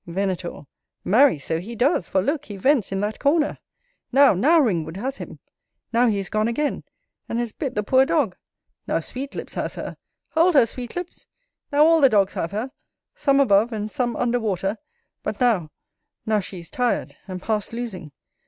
Venator. Marry! so he does; for, look! he vents in that corner. Now, now, Ringwood has him: now, he is gone again, and has bit the poor dog. Now Sweetlips has her; hold her, Sweetlips! now all the dogs have her; some above and some under water: but, now, now she is tired, and past losing.